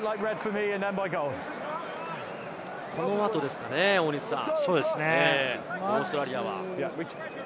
この後ですかね、大西さん。